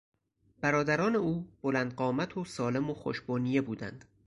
برادران او بلند قامت و سالم و خوش بنیه بودند.